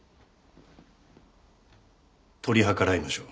取り計らいましょう。